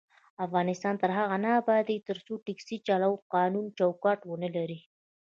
افغانستان تر هغو نه ابادیږي، ترڅو ټکسي چلول قانوني چوکاټ ونه لري.